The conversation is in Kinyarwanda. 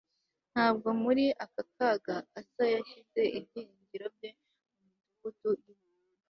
Ntabwo muri ako kaga Asa yashyize ibyiringiro bye mu midugudu yUbuyuda